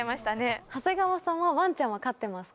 長谷川さんはワンちゃんは飼ってますか？